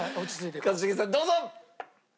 一茂さんどうぞ！